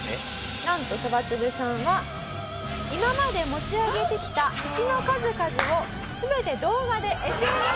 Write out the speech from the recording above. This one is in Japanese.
なんとそばつぶさんは今まで持ち上げてきた石の数々を全て動画でＳＮＳに投稿していたんです。